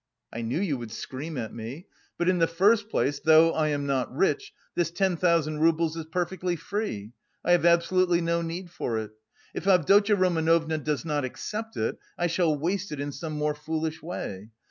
"I knew you would scream at me; but in the first place, though I am not rich, this ten thousand roubles is perfectly free; I have absolutely no need for it. If Avdotya Romanovna does not accept it, I shall waste it in some more foolish way.